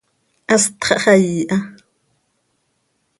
Hast xahxaii ha.